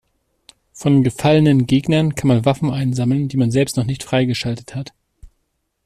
Von gefallenen Gegnern kann man Waffen einsammeln, die man selbst noch nicht freigeschaltet hat.